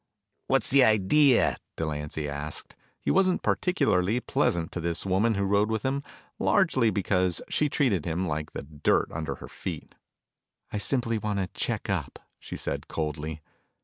"What's the idea?" Delancy asked. He wasn't particularly pleasant to this woman who rode with him, largely because she treated him like the dirt under her feet. "I simply want to check up," she said coldly.